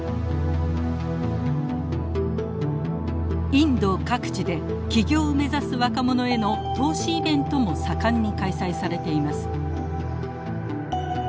インド各地で起業を目指す若者への投資イベントも盛んに開催されています。